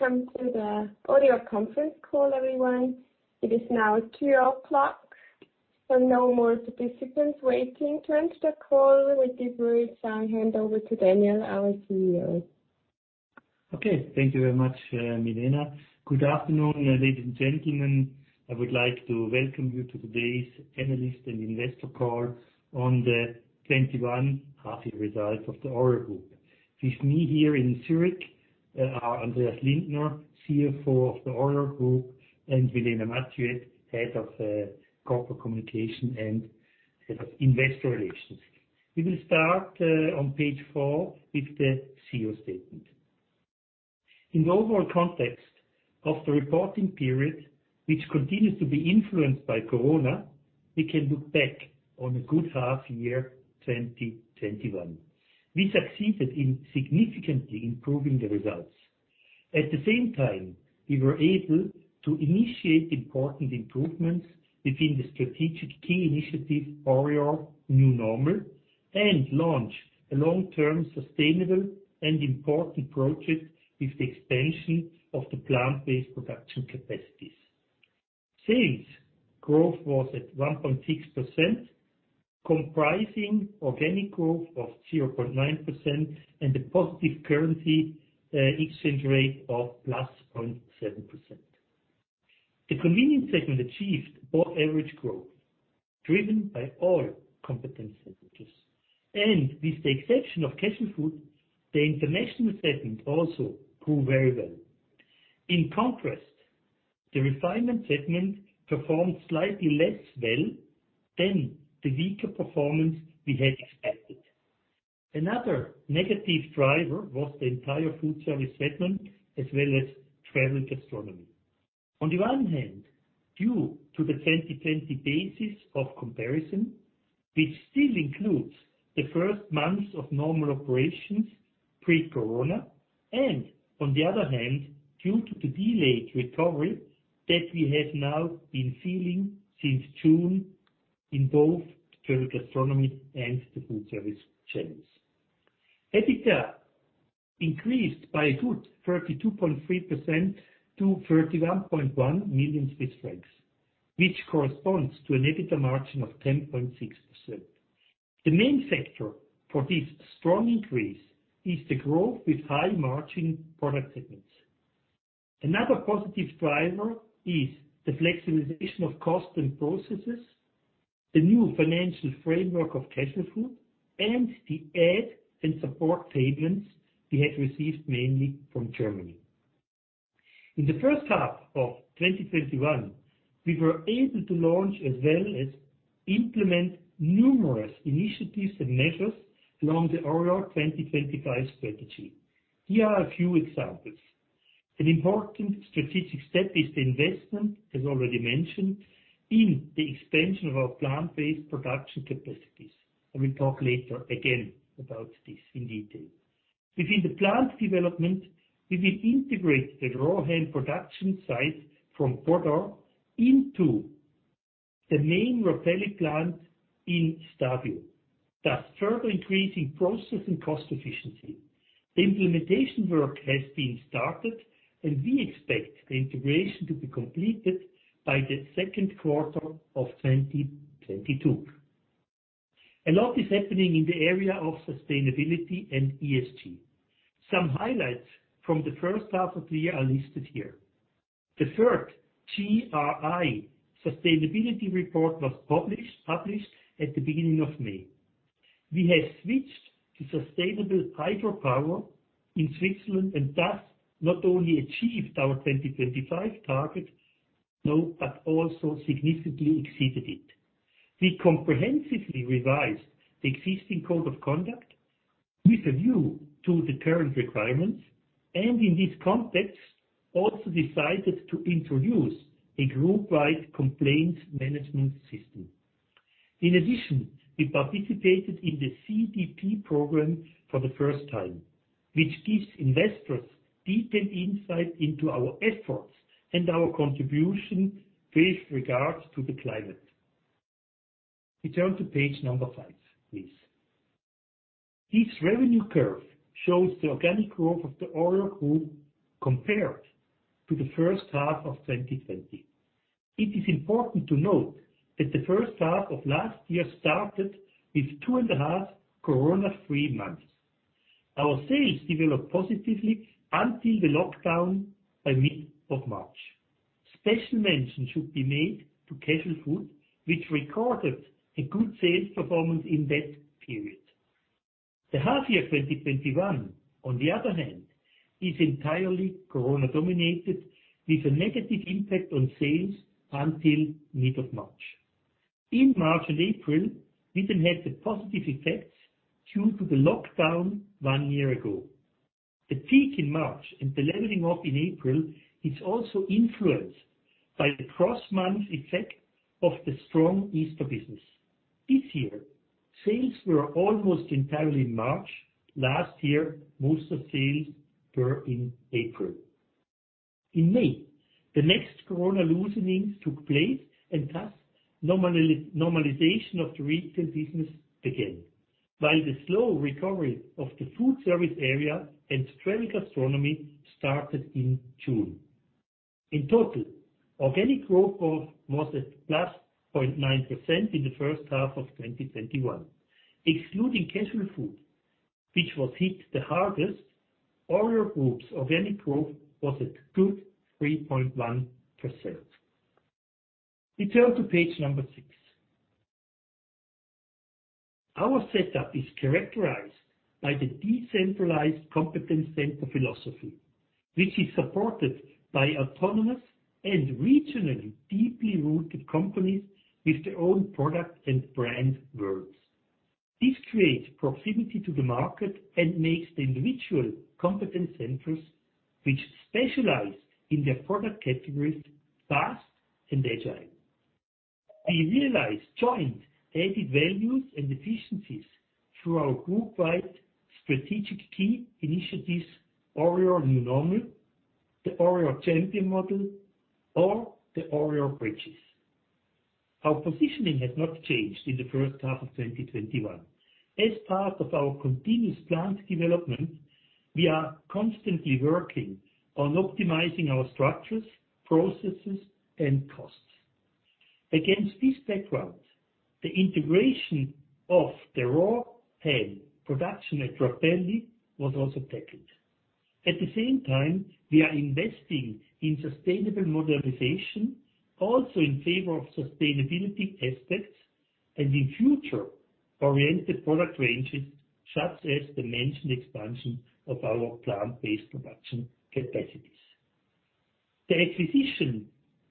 Welcome to the audio conference call everyone. It is now 2:00 P.M., so no more participants waiting to enter the call. With that said, I hand over to Daniel, our CEO. Thank you very much, Milena. Good afternoon, ladies and gentlemen. I would like to welcome you to today's analyst and investor call on the 2021 half year results of the ORIOR Group. With me here in Zurich are Andreas Lindner, CFO of the ORIOR Group, and Milena Mathiuet, Head of Corporate Communication and Head of Investor Relations. We will start on page four with the CEO statement. In the overall context of the reporting period, which continues to be influenced by COVID, we can look back on a good half year 2021. We succeeded in significantly improving the results. At the same time, we were able to initiate important improvements within the strategic key initiative ORIOR New Normal, and launch a long-term sustainable and important project with the expansion of the plant-based production capacities. Sales growth was at 1.6%, comprising organic growth of 0.9% and a positive currency exchange rate of plus 0.7%. The Convenience segment achieved above average growth driven by all competence centers, and with the exception of Casualfood, the International segment also grew very well. In contrast, the Refinement segment performed slightly less well than the weaker performance we had expected. Another negative driver was the entire food service segment, as well as travel gastronomy. On the one hand, due to the 2020 basis of comparison, which still includes the first months of normal operations pre-COVID, and on the other hand, due to the delayed recovery that we have now been feeling since June in both travel gastronomy and the food service channels. EBITDA increased by a good 32.3% to 31.1 million Swiss francs, which corresponds to an EBITDA margin of 10.6%. The main factor for this strong increase is the growth with high margin product segments. Another positive driver is the flexibilization of cost and processes, the new financial framework of Casualfood, and the aid and support payments we had received mainly from Germany. In the first half of 2021, we were able to launch as well as implement numerous initiatives and measures along the ORIOR 2025 Strategy. Here are a few examples. An important strategic step is the investment, as already mentioned, in the expansion of our plant-based production capacities. I will talk later again about this in detail. Within the plant development, we will integrate the raw ham production site from Prodor into the main Rapelli plant in Stabio, thus further increasing processing cost efficiency. The implementation work has been started, and we expect the integration to be completed by the second quarter of 2022. A lot is happening in the area of sustainability and ESG. Some highlights from the first half of the year are listed here. The third GRI sustainability report was published at the beginning of May. We have switched to sustainable hydropower in Switzerland, and thus not only achieved our 2025 target, but also significantly exceeded it. We comprehensively revised the existing code of conduct with a view to the current requirements, and in this context, also decided to introduce a group-wide complaints management system. In addition, we participated in the CDP program for the first time, which gives investors detailed insight into our efforts and our contribution with regards to the climate. We turn to page number five, please. This revenue curve shows the organic growth of the ORIOR Group compared to the first half of 2020. It is important to note that the first half of last year started with 2.5 COVID-free months. Our sales developed positively until the lockdown by mid of March. Special mention should be made to Casualfood, which recorded a good sales performance in that period. The half year 2021, on the other hand, is entirely COVID dominated, with a negative impact on sales until mid of March. In March and April, we then had the positive effects due to the lockdown one year ago. The peak in March and the leveling off in April is also influenced by the cross-month effect of the strong Easter business. This year, sales were almost entirely March. Last year, most of sales were in April. In May, the next corona loosening took place and thus normalization of the retail business began, while the slow recovery of the food service area and travel gastronomy started in June. In total, organic growth was at +0.9% in the first half of 2021. Excluding Casualfood, which was hit the hardest, ORIOR Group's organic growth was at good 3.1%. We turn to page number six. Our setup is characterized by the decentralized competence center philosophy, which is supported by autonomous and regionally deeply rooted companies with their own product and brand worlds. This creates proximity to the market and makes the individual competence centers, which specialize in their product categories, fast and agile. We realize joint added values and efficiencies through our group-wide strategic key initiatives, ORIOR New Normal, the ORIOR Champion Model, or the ORIOR Bridges. Our positioning has not changed in the first half of 2021. As part of our continuous plant development, we are constantly working on optimizing our structures, processes, and costs. Against this background, the integration of the raw ham production at Rapelli was also tackled. At the same time, we are investing in sustainable modernization, also in favor of sustainability aspects and in future-oriented product ranges, such as the mentioned expansion of our plant-based production capacities. The acquisition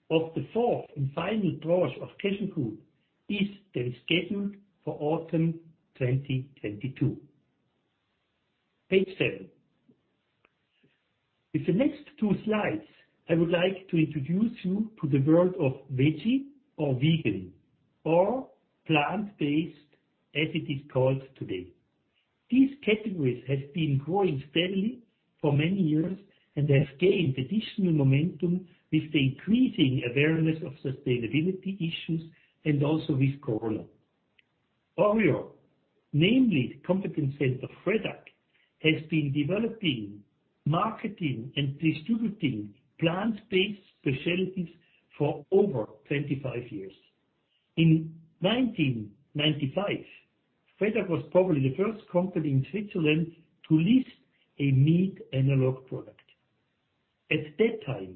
of the fourth and final branch of Casualfood is scheduled for autumn 2022. Page 7. With the next two slides, I would like to introduce you to the world of veggie or vegan or plant-based as it is called today. These categories have been growing steadily for many years and have gained additional momentum with the increasing awareness of sustainability issues and also with corona. ORIOR, namely the competence center Fredag, has been developing, marketing, and distributing plant-based specialties for over 25 years. In 1995, Fredag was probably the first company in Switzerland to list a meat analog product. At that time,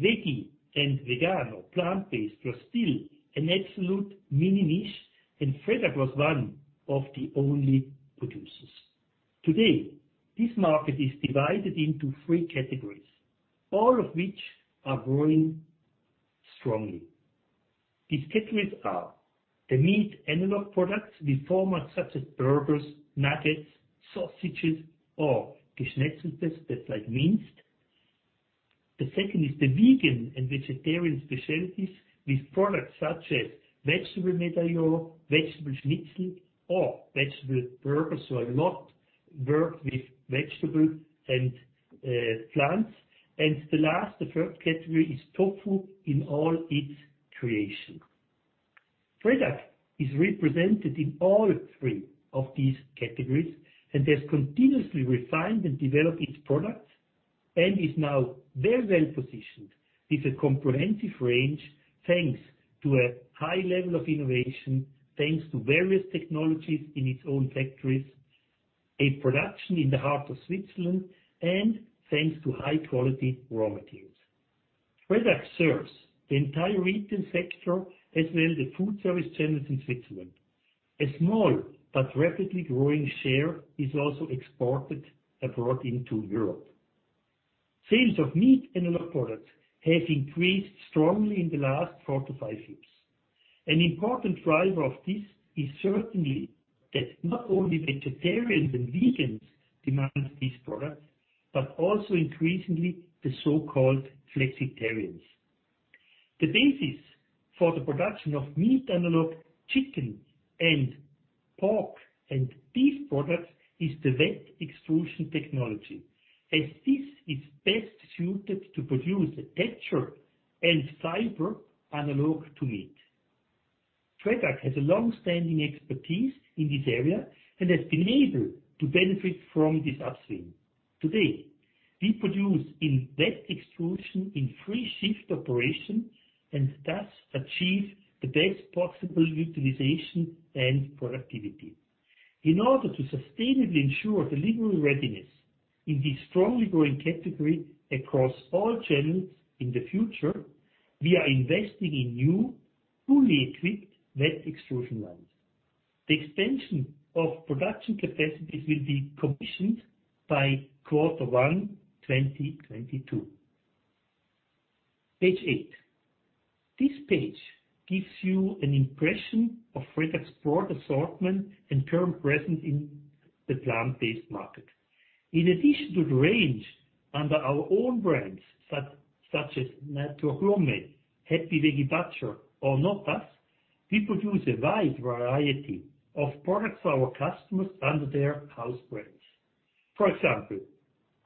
veggie and vegan or plant-based was still an absolute mini niche, and Fredag was one of the only producers. Today, this market is divided into three categories, all of which are growing strongly. These categories are the meat analog products with formats such as burgers, nuggets, sausages, or Geschnetzeltes, that's like mince. The second is the vegan and vegetarian specialties with products such as vegetable medallion, vegetable schnitzel, or vegetable burgers, so a lot work with vegetable and plants. The last, the third category, is tofu in all its creation. Fredag is represented in all three of these categories and has continuously refined and developed its products and is now very well-positioned with a comprehensive range, thanks to a high level of innovation, thanks to various technologies in its own factories, a production in the heart of Switzerland, and thanks to high-quality raw materials. Fredag serves the entire retail sector as well the food service channels in Switzerland. A small but rapidly growing share is also exported abroad into Europe. Sales of meat analog products have increased strongly in the last four to five years. An important driver of this is certainly that not only vegetarians and vegans demand these products, but also increasingly the so-called flexitarians. The basis for the production of meat analog chicken and pork and beef products is the wet extrusion technology, as this is best suited to produce a texture and fiber analog to meat. Fredag has a long-standing expertise in this area and has been able to benefit from this upswing. Today, we produce in wet extrusion in three shift operation and thus achieve the best possible utilization and productivity. In order to sustainably ensure delivery readiness in this strongly growing category across all channels in the future, we are investing in new, fully equipped wet extrusion lines. The expansion of production capacities will be commissioned by Q1 2022. Page eight. This page gives you an impression of Fredag's broad assortment and current presence in the plant-based market. In addition to the range under our own brands, such as Nature Gourmet, Happy Vegi Butcher, or Noppa's. We produce a wide variety of products for our customers under their house brands. For example,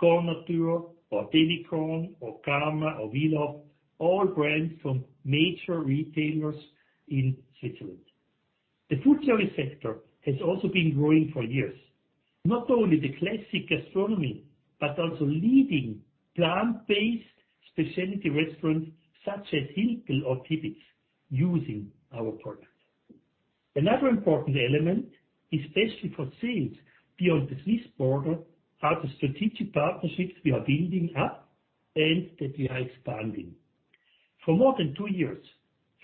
Cornatur or Délicorn or Karma or V-Love, all brands from major retailers in Switzerland. The food service sector has also been growing for years. Not only the classic gastronomy, but also leading plant-based specialty restaurants such as Hiltl or tibits using our products. Another important element, especially for sales beyond the Swiss border, are the strategic partnerships we are building up and that we are expanding. For more than two years,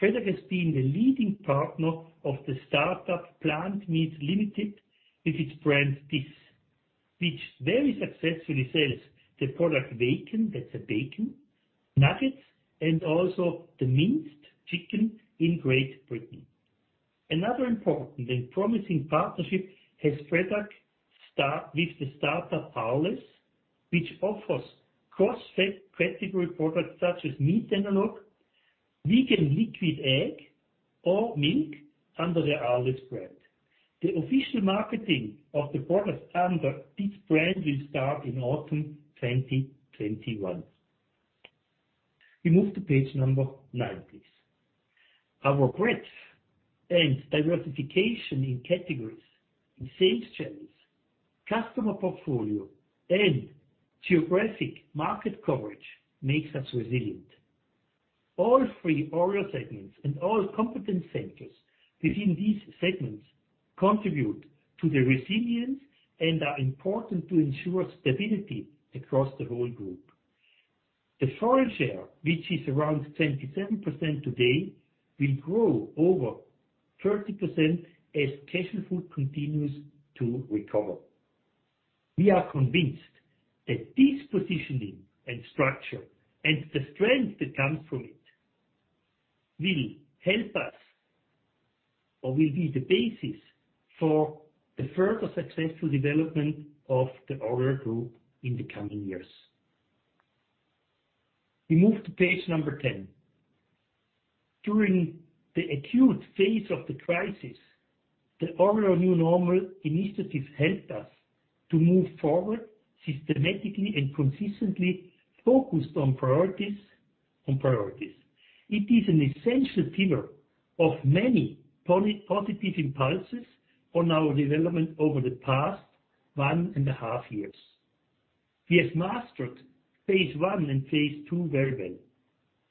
Fredag has been the leading partner of the startup Plant Meat Limited with its brand, THIS, which very successfully sells the product bacon, that's a bacon, nuggets, and also the minced chicken in Great Britain. Another important and promising partnership has Fredag with the startup Arley, which offers cross-category products such as meat analog, vegan liquid egg, or milk under their Arley Group. The official marketing of the products under THIS brand will start in autumn 2021. We move to page number nine, please. Our breadth and diversification in categories, in sales channels, customer portfolio, and geographic market coverage makes us resilient. All three ORIOR segments and all competence centers within these segments contribute to the resilience and are important to ensure stability across the whole group. The foil share, which is around 27% today, will grow over 30% as Casualfood continues to recover. We are convinced that this positioning and structure and the strength that comes from it will help us or will be the basis for the further successful development of the ORIOR Group in the coming years. We move to page number 10. During the acute phase of the crisis, the ORIOR New Normal initiative helped us to move forward systematically and consistently focused on priorities. It is an essential pillar of many positive impulses on our development over the past one and a half years. We have mastered phase 1 and phase 2 very well.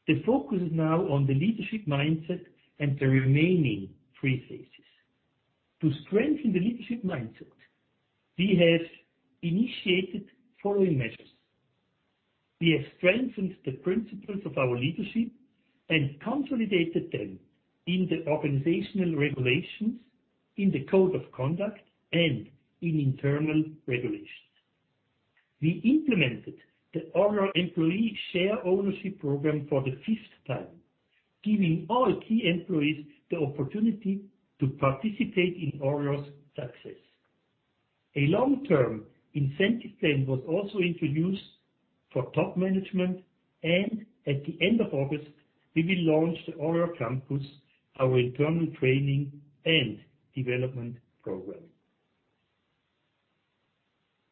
The focus is now on the leadership mindset and the remaining three phases. To strengthen the leadership mindset, we have initiated the following measures. We have strengthened the principles of our leadership and consolidated them in the organizational regulations, in the code of conduct, and in internal regulations. We implemented the ORIOR Employee Share Ownership program for the 5th time, giving all key employees the opportunity to participate in ORIOR's success. A long-term incentive plan was also introduced for top management, and at the end of August, we will launch the ORIOR Campus, our internal training and development program.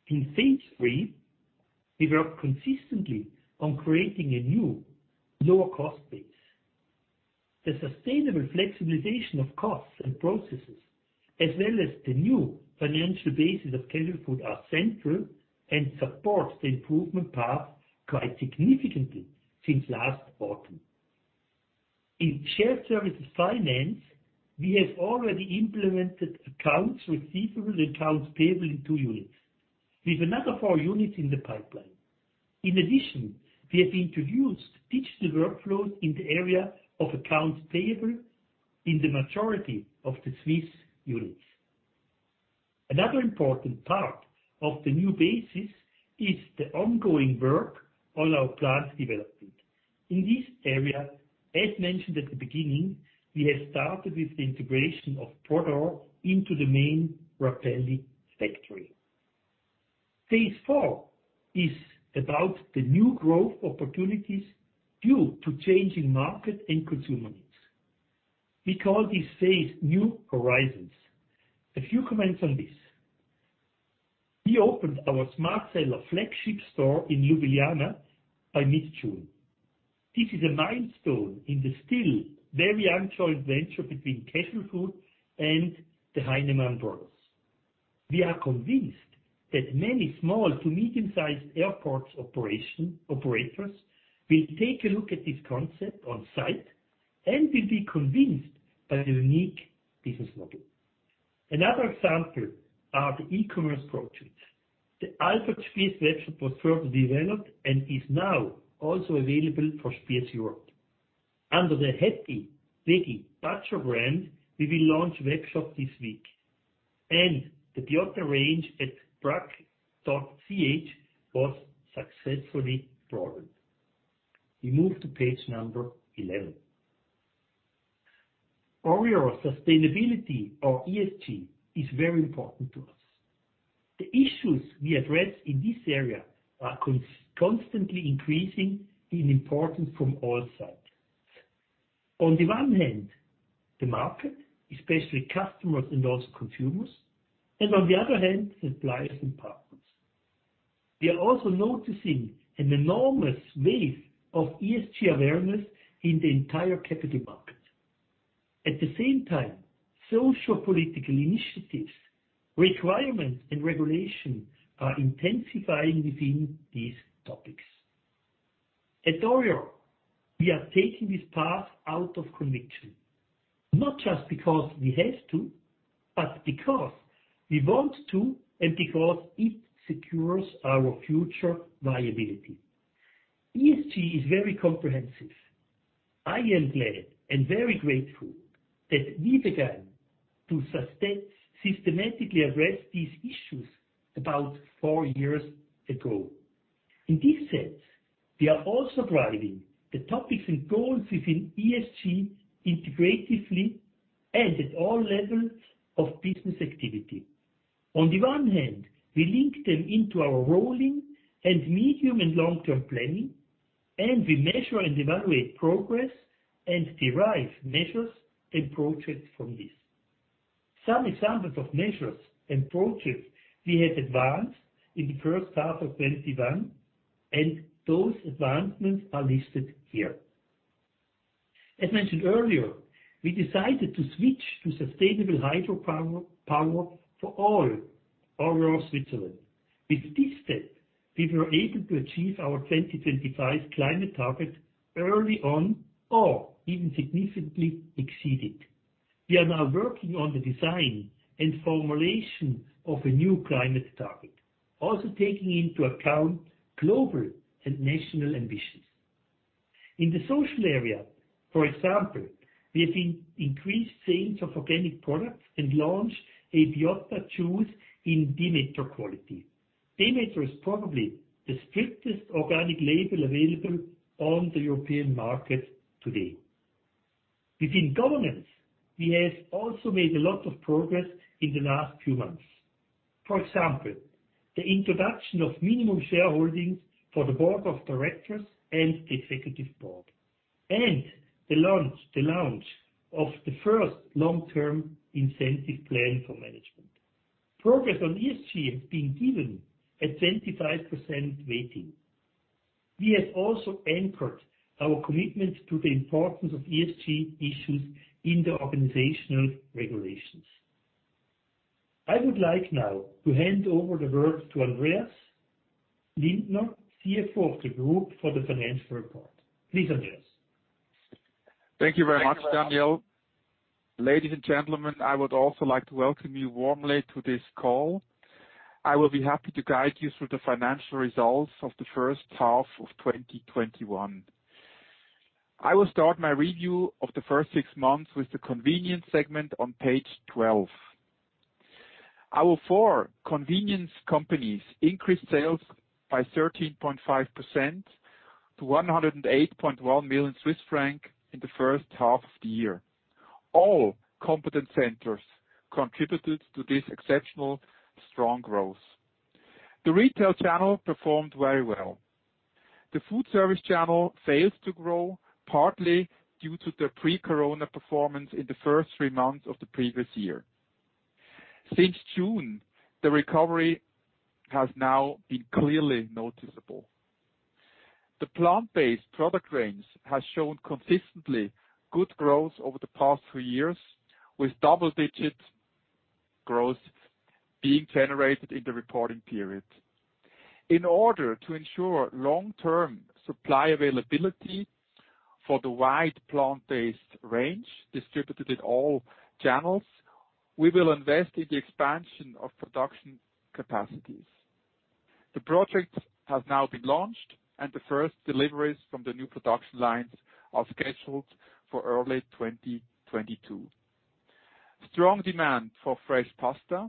In phase 3, we worked consistently on creating a new lower cost base. The sustainable flexibilization of costs and processes, as well as the new financial bases of Casualfood are central and supports the improvement path quite significantly since last autumn. In shared services finance, we have already implemented accounts receivable and accounts payable in two units, with another four units in the pipeline. In addition, we have introduced digital workflows in the area of accounts payable in the majority of the Swiss units. Another important part of the new basis is the ongoing work on our plant development. In this area, as mentioned at the beginning, we have started with the integration of Prodor into the main Rapelli factory. Phase 4 is about the new growth opportunities due to changing market and consumer needs. We call this phase new horizons. A few comments on this. We opened our Smartseller flagship store in Ljubljana by mid-June. This is a milestone in the still very uncharted venture between Casualfood and the Heinemann brothers. We are convinced that many small to medium-sized airport operators will take a look at this concept on site and will be convinced by the unique business model. Another example are the e-commerce projects. The Albert Spiess webshop was further developed and is now also available for Spiess Europe. Under the Happy Vegi Butcher brand, we will launch webshop this week, and the Biotta range at brack.ch was successfully launched. We move to page number 11. ORIOR sustainability or ESG is very important to us. The issues we address in this area are constantly increasing in importance from all sides. On the one hand, the market, especially customers and also consumers, and on the other hand, suppliers and partners. We are also noticing an enormous wave of ESG awareness in the entire capital market. At the same time, social political initiatives, requirements, and regulation are intensifying within these topics. At ORIOR, we are taking this path out of conviction, not just because we have to, but because we want to and because it secures our future viability. ESG is very comprehensive. I am glad and very grateful that we began to systematically address these issues about four years ago. In this sense, we are also driving the topics and goals within ESG integratively and at all levels of business activity. On the one hand, we link them into our rolling and medium and long-term planning, and we measure and evaluate progress and derive measures and projects from this. Some examples of measures and projects we have advanced in the first half of 2021, and those advancements are listed here. As mentioned earlier, we decided to switch to sustainable hydropower for all ORIOR Switzerland. With this step, we were able to achieve our 2025 climate target early on, or even significantly exceed it. We are now working on the design and formulation of a new climate target, also taking into account global and national ambitions. In the social area, for example, we have seen increased sales of organic products and launched a Biotta juice in Demeter quality. Demeter is probably the strictest organic label available on the European market today. Within governance, we have also made a lot of progress in the last few months. For example, the introduction of minimum shareholdings for the board of directors and the executive board, and the launch of the first long-term incentive plan for management. Progress on ESG has been given a 25% weighting. We have also anchored our commitment to the importance of ESG issues in the organizational regulations. I would like now to hand over the work to Andreas Lindner, CFO of the group, for the financial report. Please, Andreas. Thank you very much, Daniel. Ladies and gentlemen, I would also like to welcome you warmly to this call. I will be happy to guide you through the financial results of the first half of 2021. I will start my review of the first six months with the Convenience segment on page 12. Our four convenience companies increased sales by 13.5% to 108.1 million Swiss francs in the first half of the year. All competence centers contributed to this exceptional strong growth. The retail channel performed very well. The food service channel failed to grow, partly due to the pre-Corona performance in the first three months of the previous year. Since June, the recovery has now been clearly noticeable. The plant-based product range has shown consistently good growth over the past three years, with double-digit growth being generated in the reporting period. In order to ensure long-term supply availability for the wide plant-based range distributed in all channels, we will invest in the expansion of production capacities. The project has now been launched, and the first deliveries from the new production lines are scheduled for early 2022. Strong demand for fresh pasta,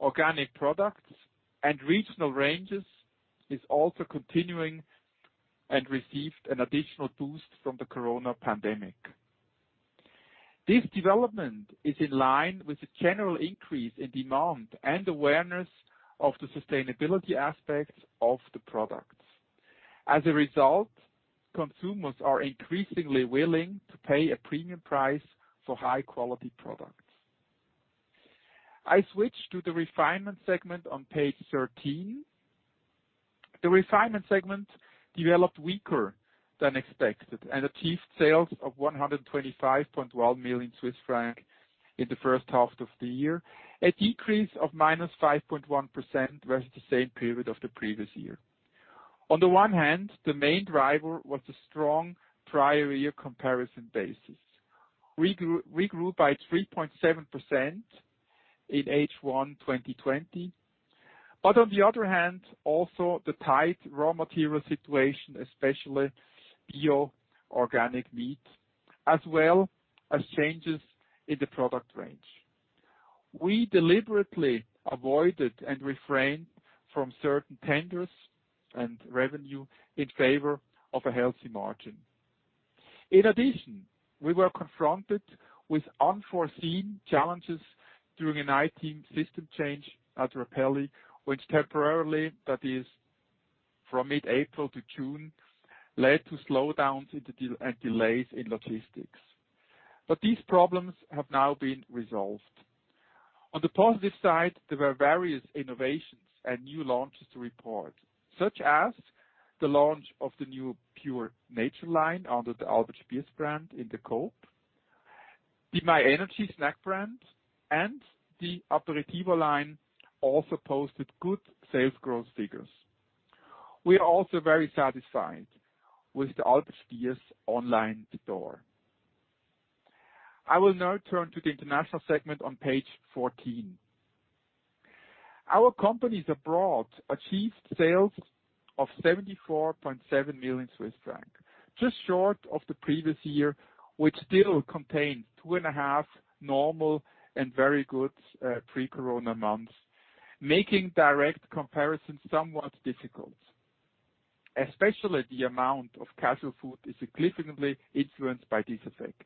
organic products, and regional ranges is also continuing and received an additional boost from the corona pandemic. This development is in line with the general increase in demand and awareness of the sustainability aspects of the products. As a result, consumers are increasingly willing to pay a premium price for high-quality products. I switch to the Refinement segment on page 13. The Refinement segment developed weaker than expected and achieved sales of 125.1 million Swiss francs in the first half of the year, a decrease of -5.1% versus the same period of the previous year. On the one hand, the main driver was a strong prior year comparison basis. We grew by 3.7% in H1 2020. On the other hand, also the tight raw material situation, especially bio organic meat, as well as changes in the product range. We deliberately avoided and refrained from certain tenders and revenue in favor of a healthy margin. In addition, we were confronted with unforeseen challenges during an IT system change at Rapelli, which temporarily, that is from mid-April to June, led to slowdowns and delays in logistics. These problems have now been resolved. On the positive side, there were various innovations and new launches to report, such as the launch of the new Pure Nature line under the Albert Spiess brand in the Coop, the My Energy snack brand, and the Aperitivo line also posted good sales growth figures. We are also very satisfied with the Albert Spiess online store. I will now turn to the International segment on page 14. Our companies abroad achieved sales of 74.7 million Swiss francs, just short of the previous year, which still contained two and a half normal and very good pre-corona months, making direct comparison somewhat difficult. Especially the amount of Casualfood is significantly influenced by this effect.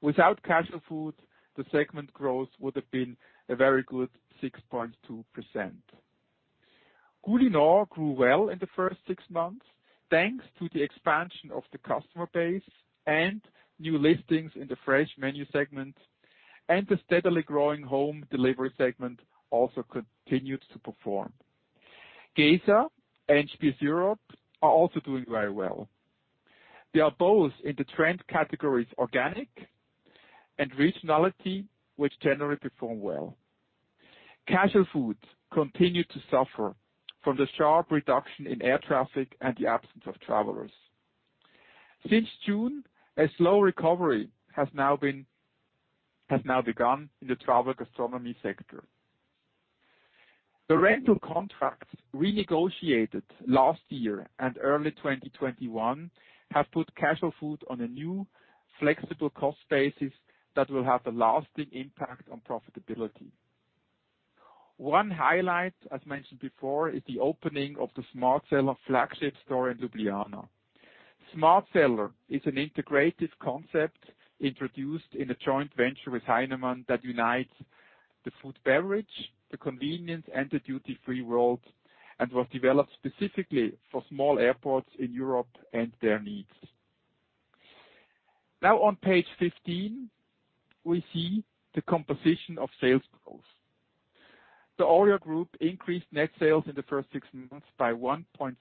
Without Casualfood, the segment growth would have been a very good 6.2%. Culinor grew well in the first six months, thanks to the expansion of the customer base and new listings in the fresh menu segment, the steadily growing home delivery segment also continued to perform. Albert Spiess and Spiess Europe are also doing very well. They are both in the trend categories, organic and regionality, which generally perform well. Casualfood continued to suffer from the sharp reduction in air traffic and the absence of travelers. Since June, a slow recovery has now begun in the travel gastronomy sector. The rental contracts renegotiated last year and early 2021 have put Casualfood on a new flexible cost basis that will have a lasting impact on profitability. One highlight, as mentioned before, is the opening of the Smart Seller flagship store in Ljubljana. Smart Seller is an integrated concept introduced in a joint venture with Heinemann that unites the food beverage, the convenience, and the duty-free world, and was developed specifically for small airports in Europe and their needs. Now on page 15, we see the composition of sales growth. The ORIOR Group increased net sales in the first six months by 1.6%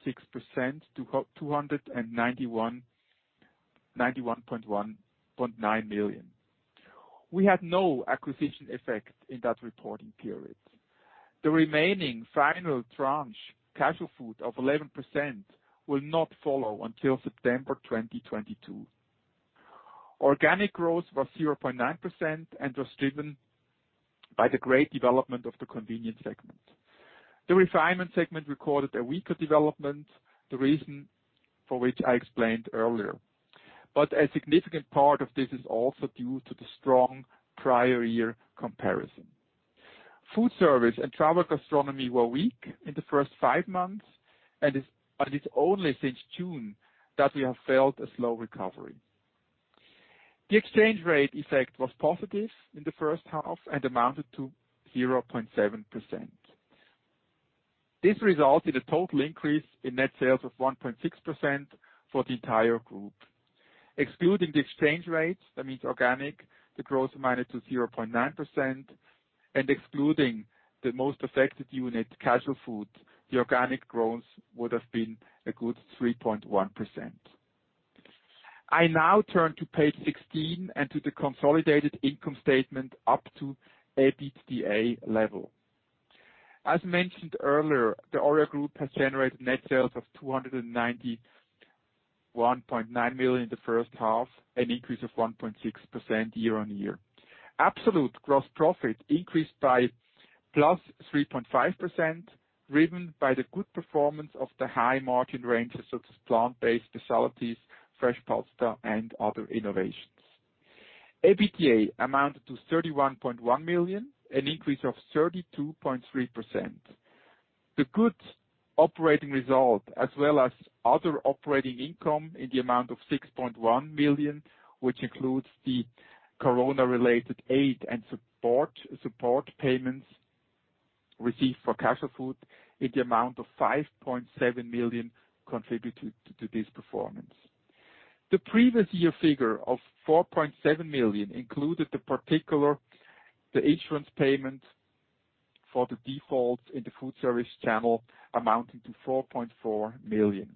to 291.9 million. We had no acquisition effect in that reporting period. The remaining final tranche, Casualfood of 11%, will not follow until September 2022. Organic growth was 0.9% and was driven by the great development of the Convenience segment. The Refinement segment recorded a weaker development, the reason for which I explained earlier, but a significant part of this is also due to the strong prior year comparison. Food service and travel gastronomy were weak in the first five months, and it's only since June that we have felt a slow recovery. The exchange rate effect was positive in the first half and amounted to 0.7%. This resulted in a total increase in net sales of 1.6% for the entire group. Excluding the exchange rate, that means organic, the growth amounted to 0.9%, and excluding the most affected unit, Casualfood, the organic growth would have been a good 3.1%. I now turn to page 16 and to the consolidated income statement up to EBITDA level. As mentioned earlier, the ORIOR Group has generated net sales of 291.9 million in the first half, an increase of 1.6% year-on-year. Absolute gross profit increased by plus 3.5%, driven by the good performance of the high margin ranges, such as plant-based facilities, fresh pasta, and other innovations. EBITDA amounted to 31.1 million, an increase of 32.3%. The good operating result, as well as other operating income in the amount of 6.1 million, which includes the COVID-related aid and support payments received for Casualfood in the amount of 5.7 million, contributed to this performance. The previous year figure of 4.7 million included the insurance payment for the defaults in the food service channel amounting to 4.4 million.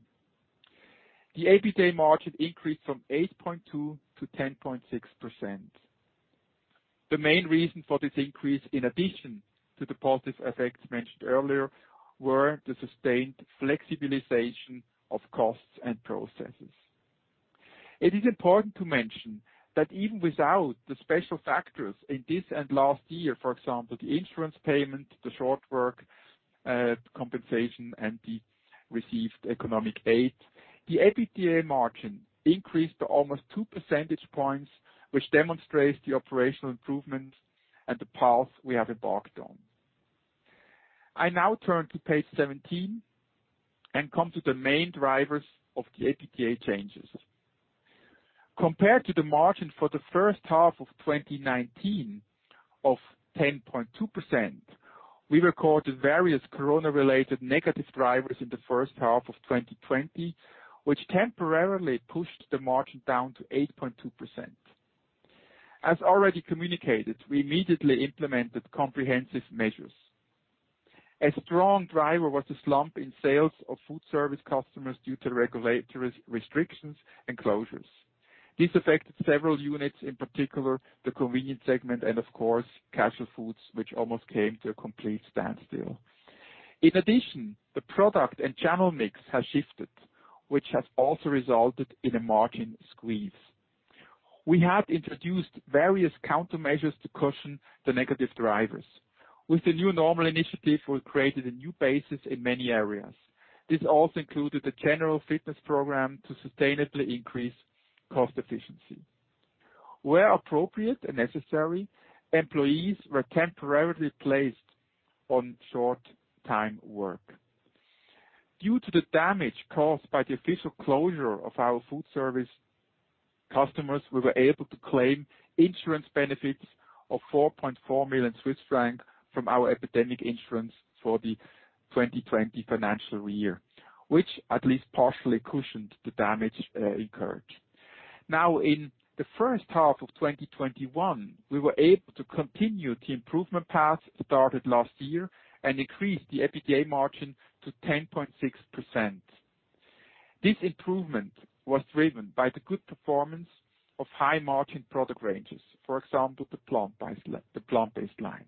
The EBITDA margin increased from 8.2% to 10.6%. The main reason for this increase, in addition to the positive effects mentioned earlier, were the sustained flexibilization of costs and processes. It is important to mention that even without the special factors in this and last year, for example, the insurance payment, the short work compensation, and the received economic aid, the EBITDA margin increased to almost 2 percentage points, which demonstrates the operational improvement and the path we have embarked on. I now turn to page 17 and come to the main drivers of the EBITDA changes. Compared to the margin for the first half of 2019, of 10.2%, we recorded various corona-related negative drivers in the first half of 2020, which temporarily pushed the margin down to 8.2%. As already communicated, we immediately implemented comprehensive measures. A strong driver was the slump in sales of food service customers due to regulatory restrictions and closures. This affected several units, in particular, the Convenience segment and of course, Casualfood, which almost came to a complete standstill. The product and channel mix has shifted, which has also resulted in a margin squeeze. We have introduced various countermeasures to cushion the negative drivers. With the ORIOR New Normal initiative, we've created a new basis in many areas. This also included the general fitness program to sustainably increase cost efficiency. Where appropriate and necessary, employees were temporarily placed on short-time work. Due to the damage caused by the official closure of our food service customers, we were able to claim insurance benefits of 4.4 million Swiss francs from our epidemic insurance for the 2020 financial year, which at least partially cushioned the damage incurred. In the first half of 2021, we were able to continue the improvement path started last year and increase the EBITDA margin to 10.6%. This improvement was driven by the good performance of high-margin product ranges, for example, the plant-based line,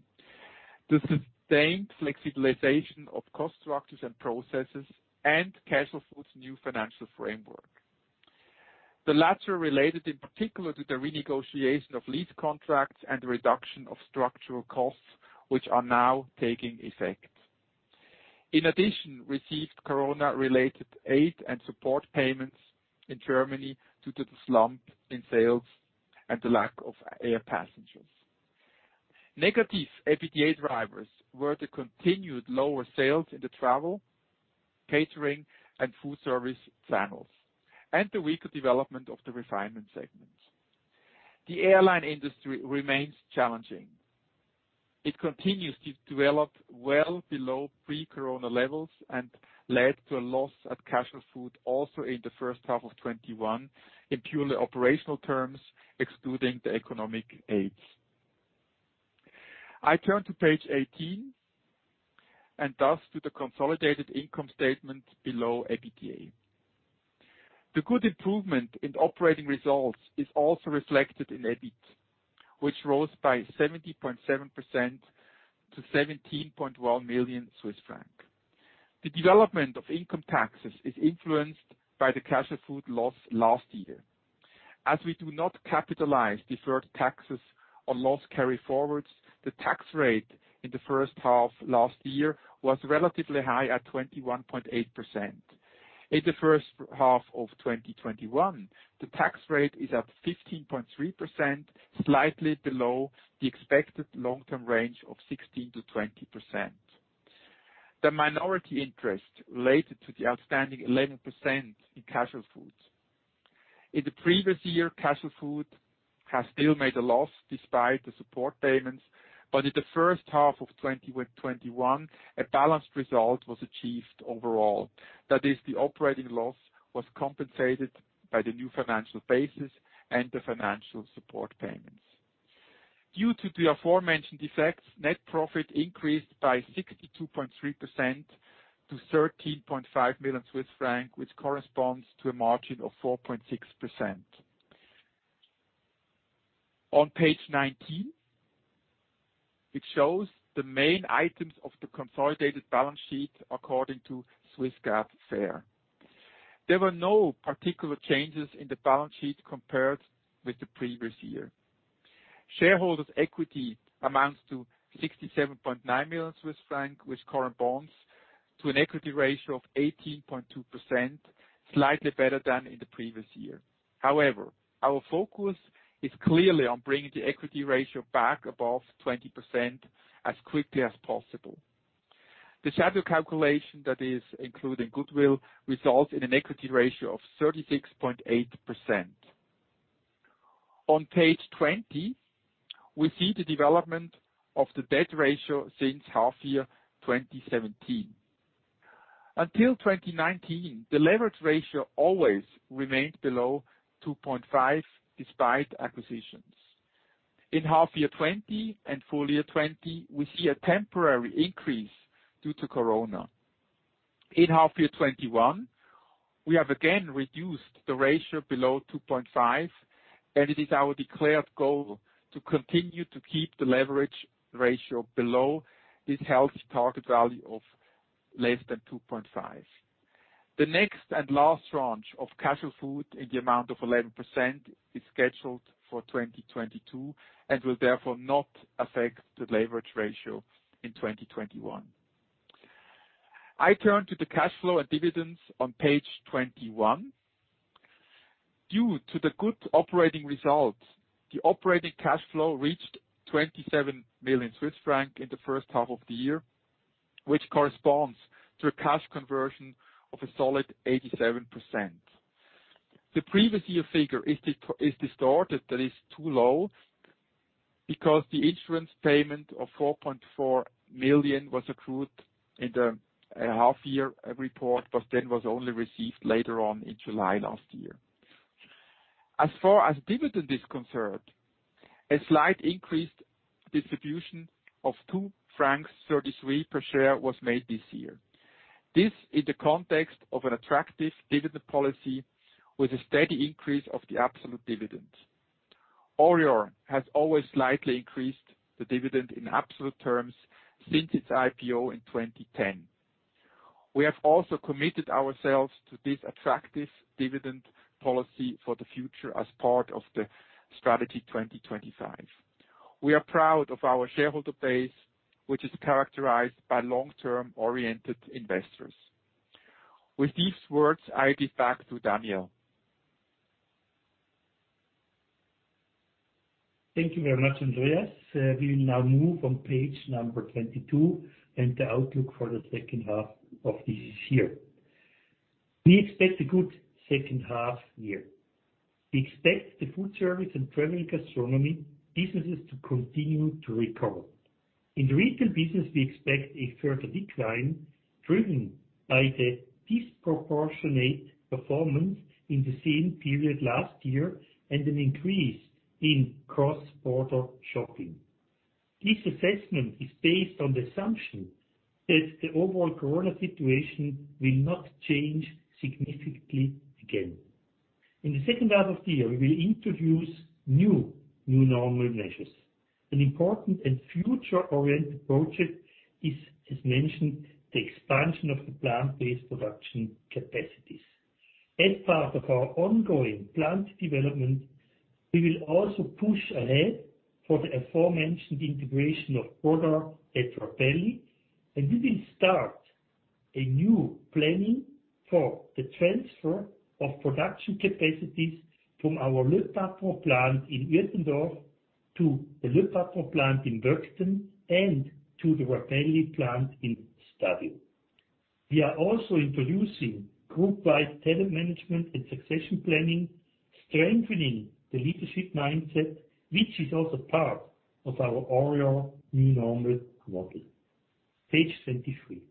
the sustained flexibilization of cost structures and processes, and Casualfood's new financial framework. The latter related in particular to the renegotiation of lease contracts and the reduction of structural costs, which are now taking effect. In addition, we received Corona-related aid and support payments in Germany due to the slump in sales and the lack of air passengers. Negative EBITDA drivers were the continued lower sales in the travel, catering, and food service channels, and the weaker development of the Refinement segment. The airline industry remains challenging. It continues to develop well below pre-corona levels and led to a loss at Casualfood also in the first half of 2021 in purely operational terms, excluding the economic aids. I turn to page 18 and thus to the consolidated income statement below EBITDA. The good improvement in operating results is also reflected in EBIT, which rose by 70.7% to 17.1 million Swiss francs. The development of income taxes is influenced by the Casualfood loss last year. As we do not capitalize deferred taxes on loss carry-forwards, the tax rate in the first half last year was relatively high at 21.8%. In the first half of 2021, the tax rate is at 15.3%, slightly below the expected long-term range of 16%-20%. The minority interest related to the outstanding 11% in Casualfood. In the previous year, Casualfood has still made a loss despite the support payments, but in the first half of 2021, a balanced result was achieved overall. That is, the operating loss was compensated by the new financial basis and the financial support payments. Due to the aforementioned effects, net profit increased by 62.3% to 13.5 million Swiss francs, which corresponds to a margin of 4.6%. On page 19, it shows the main items of the consolidated balance sheet according to Swiss GAAP FER. There were no particular changes in the balance sheet compared with the previous year. Shareholders' equity amounts to 67.9 million Swiss francs with current bonds to an equity ratio of 18.2%, slightly better than in the previous year. However, our focus is clearly on bringing the equity ratio back above 20% as quickly as possible. The shadow calculation that is including goodwill results in an equity ratio of 36.8%. On page 20, we see the development of the debt ratio since half-year 2017. Until 2019, the leverage ratio always remained below 2.5 despite acquisitions. In half-year 2020 and full-year 2020, we see a temporary increase due to corona. In half-year 2021, we have again reduced the ratio below 2.5, and it is our declared goal to continue to keep the leverage ratio below this healthy target value of less than 2.5. The next and last tranche of Casualfood in the amount of 11% is scheduled for 2022, and will therefore not affect the leverage ratio in 2021. I turn to the cash flow and dividends on page 21. Due to the good operating results, the operating cash flow reached 27 million Swiss francs in the first half of the year, which corresponds to a cash conversion of a solid 87%. The previous year figure is distorted, that is too low, because the insurance payment of 4.4 million was accrued in the half-year report, but then was only received later on in July last year. As far as dividend is concerned, a slight increased distribution of 2.33 francs per share was made this year. This in the context of an attractive dividend policy with a steady increase of the absolute dividend. ORIOR has always slightly increased the dividend in absolute terms since its IPO in 2010. We have also committed ourselves to this attractive dividend policy for the future as part of the ORIOR 2025 Strategy. We are proud of our shareholder base, which is characterized by long-term oriented investors. With these words, I give back to Daniel. Thank you very much, Andreas. We will now move on page number 22 and the outlook for the second half of this year. We expect a good second half year. We expect the food service and traveling gastronomy businesses to continue to recover. In the retail business, we expect a further decline driven by the disproportionate performance in the same period last year, and an increase in cross-border shopping. This assessment is based on the assumption that the overall Corona situation will not change significantly again. In the second half of the year, we will introduce New Normal measures. An important and future-oriented project is, as mentioned, the expansion of the plant-based production capacities. As part of our ongoing plant development, we will also push ahead for the aforementioned integration of Bodar at Rapelli, and we will start a new planning for the transfer of production capacities from our Le Patron plant in Itingen to the Le Patron plant in Böckten and to the Rapelli plant in Stabio. We are also introducing group-wide talent management and succession planning, strengthening the leadership mindset, which is also part of our ORIOR New Normal. Page 23.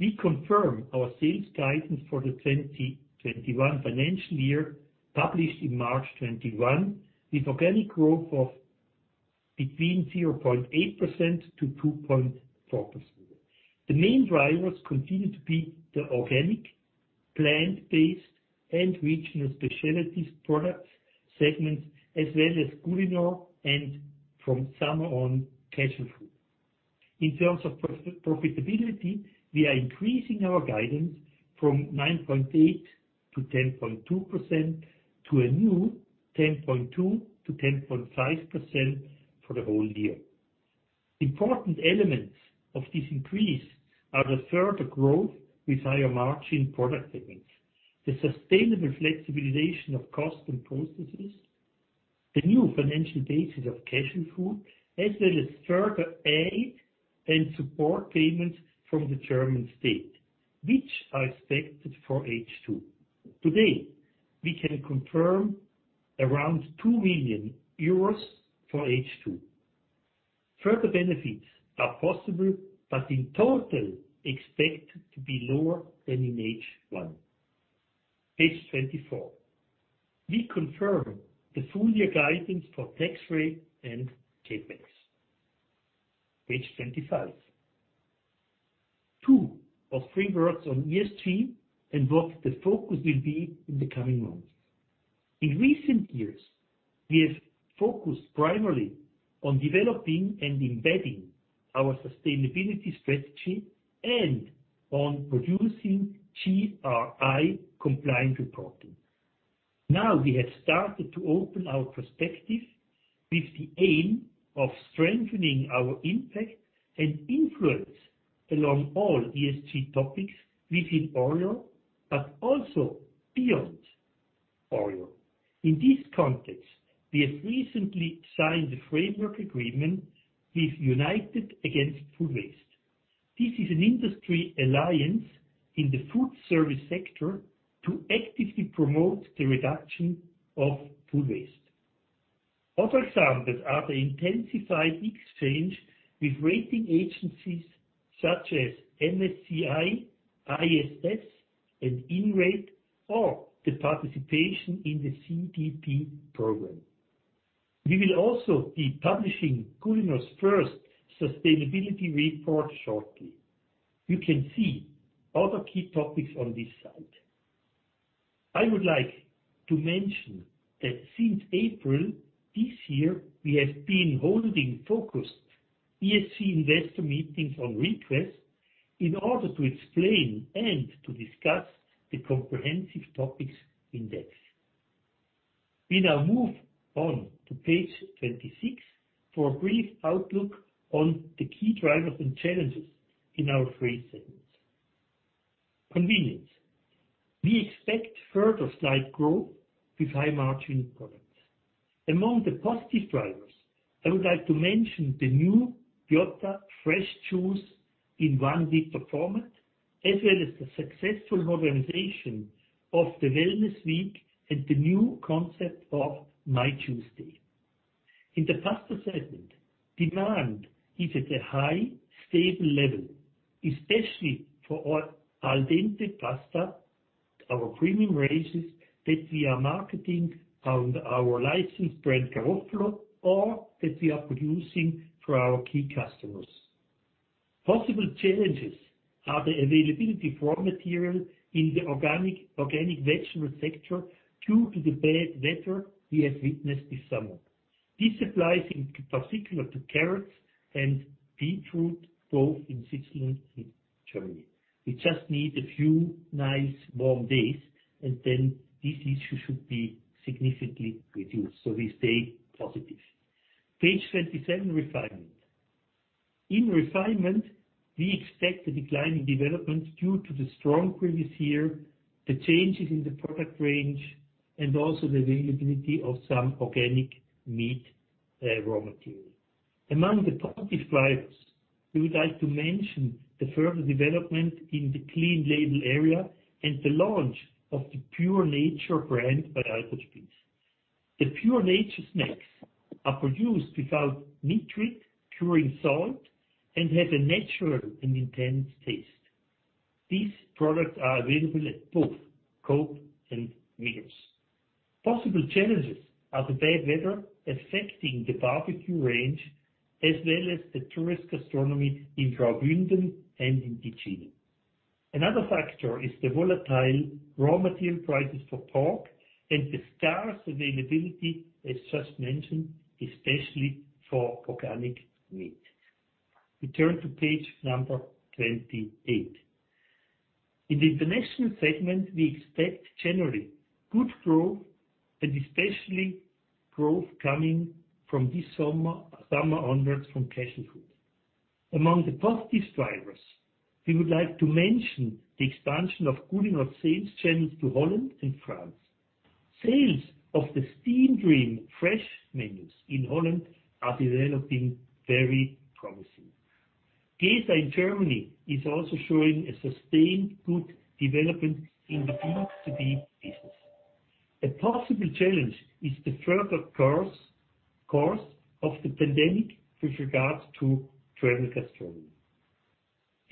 We confirm our sales guidance for the 2021 financial year, published in March 2021, with organic growth of between 0.8%-2.4%. The main drivers continue to be the organic, plant-based, and regional specialties products segments as well as Culinor and from summer on, Casualfood. In terms of profitability, we are increasing our guidance from 9.8%-10.2% to a new 10.2%-10.5% for the whole year. Important elements of this increase are the further growth with higher margin product segments, the sustainable flexibilization of cost and processes, the new financial basis of Casualfood, as well as further aid and support payments from the German state, which are expected for H2. Today, we can confirm around 2 million euros for H2. Further benefits are possible, but in total expected to be lower than in H1. Page 24. We confirm the full year guidance for tax rate and CapEx. Page 25. Two or three words on ESG and what the focus will be in the coming months. In recent years, we have focused primarily on developing and embedding our sustainability strategy and on producing GRI compliant reporting. Now, we have started to open our perspective with the aim of strengthening our impact and influence along all ESG topics within ORIOR, also beyond ORIOR. In this context, we have recently signed the framework agreement with United Against Food Waste. This is an industry alliance in the food service sector to actively promote the reduction of food waste. Other examples are the intensified exchange with rating agencies such as MSCI, ISS, and Inrate, or the participation in the CDP program. We will also be publishing ORIOR's first sustainability report shortly. You can see other key topics on this side. I would like to mention that since April this year, we have been holding focused ESG investor meetings on request in order to explain and to discuss the comprehensive topics in depth. We now move on to page 26 for a brief outlook on the key drivers and challenges in our three segments. Convenience. We expect further slight growth with high-margin products. Among the positive drivers, I would like to mention the new Biotta fresh juice in 1 L format, as well as the successful modernization of the Wellness Week and the new concept of My Juice Day. In the pasta segment, demand is at a high, stable level, especially for our al dente pasta, our premium ranges that we are marketing under our licensed brand, Garofalo, or that we are producing for our key customers. Possible challenges are the availability of raw material in the organic vegetable sector due to the bad weather we have witnessed this summer. This applies in particular to carrots and beetroot, both in Switzerland and Germany. We just need a few nice warm days, and then this issue should be significantly reduced. We stay positive. Page 27, refinement. In refinement, we expect a decline in development due to the strong previous year, the changes in the product range, and also the availability of some organic meat raw material. Among the positive drivers, we would like to mention the further development in the clean label area and the launch of the Pure Nature brand by Albert Spiess. The Pure Nature snacks are produced without nitrate, curing salt, and have a natural and intense taste. These products are available at Coop and Migros. Possible challenges are the bad weather affecting the barbecue range, as well as the tourist gastronomy in Graubünden and in Ticino. Another factor is the volatile raw material prices for pork and the scarce availability, as just mentioned, especially for organic meat. We turn to page number 28. In the International segment, we expect generally good growth, and especially growth coming from this summer onwards from Casualfood. Among the positive drivers, we would like to mention the expansion of Culinor sales channels to Holland and France. Sales of the SteamDream fresh menus in Holland are developing very promising. Gesa in Germany is also showing a sustained good development in the D2C business. A possible challenge is the further course of the pandemic with regards to travel gastronomy.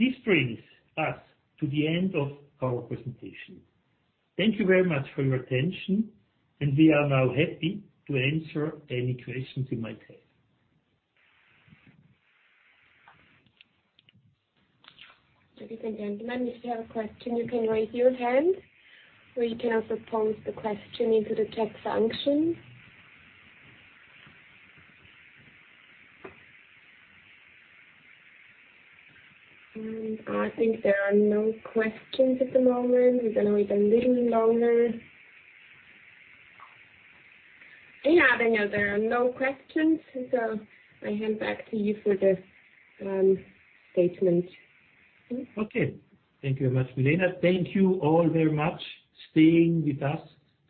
This brings us to the end of our presentation. Thank you very much for your attention, and we are now happy to answer any questions you might have. Ladies and gentlemen, if you have a question, you can raise your hand, or you can also pose the question into the chat function. I think there are no questions at the moment. We're going to wait a little longer. Yeah, Daniel, there are no questions. I hand back to you for the statement. Okay. Thank you very much, Milena. Thank you all very much staying with us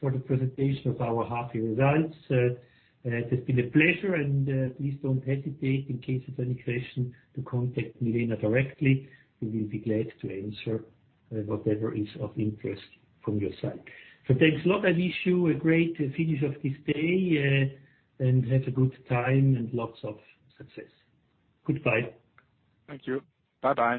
for the presentation of our half year results. It has been a pleasure, and please don't hesitate, in case of any question, to contact Milena directly. We will be glad to answer whatever is of interest from your side. Thanks a lot. I wish you a great finish of this day, and have a good time and lots of success. Goodbye. Thank you. Bye-bye